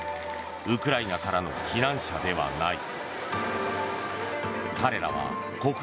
ウクライナからの避難者ではない。